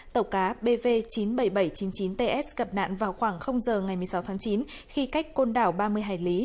tàu cá bv chín mươi bảy nghìn bảy trăm chín mươi chín ts gặp nạn vào khoảng giờ ngày một mươi sáu tháng chín khi cách côn đảo ba mươi hải lý